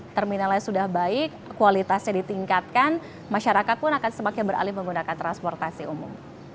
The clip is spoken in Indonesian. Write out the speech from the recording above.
terminalnya sudah baik kualitasnya ditingkatkan masyarakat pun akan semakin beralih menggunakan transportasi umum